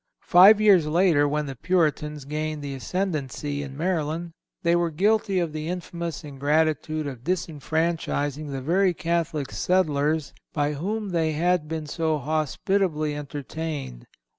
(306) Five years later, when the Puritans gained the ascendency in Maryland, they were guilty of the infamous ingratitude of disfranchising the very Catholic settlers by whom they had been so hospitably entertained.